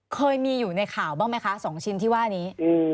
เคยมีอยู่ในข่าวบ้างไหมคะ๒ชิ้นที่ว่านี้